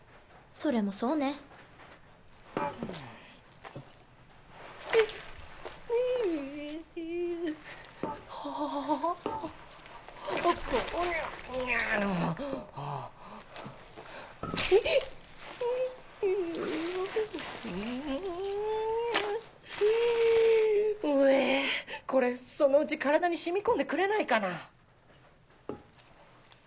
これそのうち体に染み込んでくれないかな。